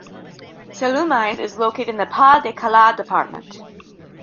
Sallaumines is located in the Pas-de-Calais department.